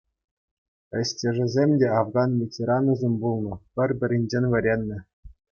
Ӗҫтешӗсем те Афган ветеранӗсем пулнӑ, пӗр-пӗринчен вӗреннӗ.